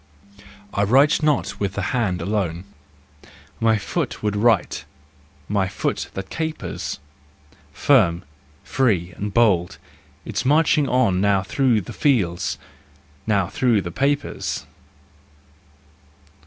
I write not with the hand alone, My foot would write, my foot that capers, Firm, free and bold, it's marching on Now through the fields, now through the papers.